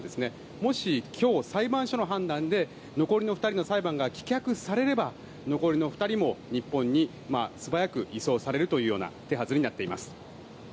もし今日、裁判所の判断で残りの２人の裁判が棄却されれば残りの２人も日本に素早く移送されるというような手はずになっています。